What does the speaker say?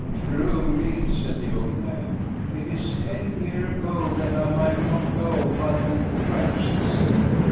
Truly, said the old man, it is ten year ago that I might not go but with crutches.